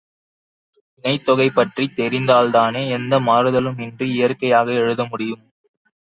வினைத் தொகை பற்றித் தெரிந்தால்தானே எந்த மாறுதலும் இன்றி இயற்கையாக எழுதமுடியும்!